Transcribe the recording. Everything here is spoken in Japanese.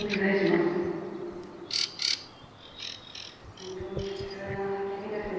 本当に悲痛な叫びですね。